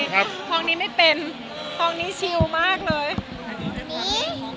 ทองนี้ไม่เป็นทองนี้ชิลมากเลย